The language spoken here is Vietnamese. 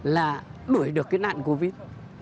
là đuổi được cái nạn covid